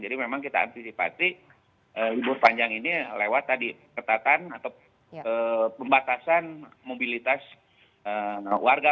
jadi memang kita antisipasi libur panjang ini lewat tadi ketatan atau pembatasan mobilitas warga